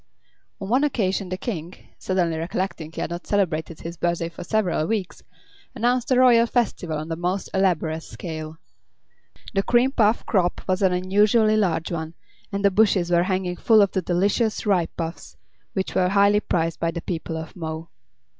On one occasion the King, suddenly recollecting he had not celebrated his birthday for several weeks, announced a royal festival on a most elaborate scale. The cream puff crop was an unusually large one, and the bushes were hanging full of the delicious ripe puffs, which were highly prized by the people of Mo.